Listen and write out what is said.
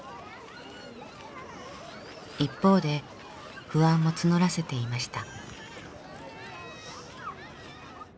一方で不安も募らせていました。